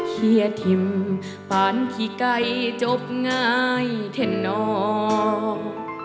เขียนถิ่มปานที่ไกลจบง่ายเท่านอก